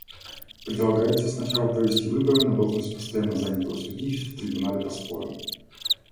Предлагается сначала провести выборы на должность постоянно занятого судьи в Трибунале по спорам.